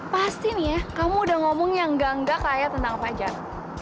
pasti nih ya kamu udah ngomong yang gangga ke ayah tentang fajar